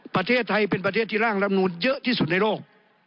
ประเทศไทยเป็นประเทศที่ร่างลำนูนเยอะที่สุดในโลก